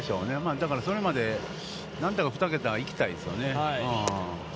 だから、それまで何とか２桁行きたいですよね。